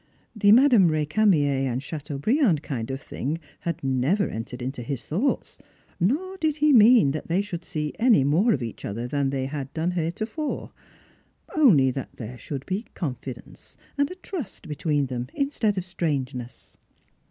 The Madame Recamier and Chateanbriand kind of thing had never entered into his thoughts, nor did he mean that they should see any more of each other than they had done hereto fore ; only that there should be confidence and trust between them instead of strana eness.